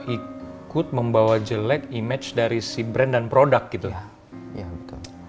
ikut membawa jelek image dari si brand dan produk gitu lah